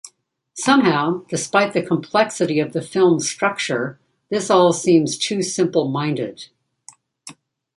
Somehow, despite the complexity of the film's structure, this all seems too simple-minded.